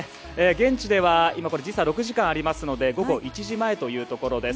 現地では今時差、６時間ありますので午後１時前というところです。